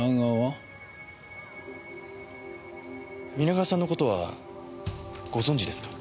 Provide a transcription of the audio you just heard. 皆川さんの事はご存じですか？